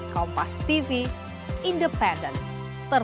kompas tv independence terbaik